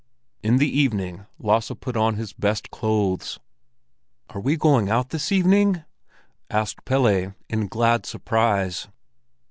In the evening Lasse put on his best clothes. "Are we going out this evening?" asked Pelle in glad surprise.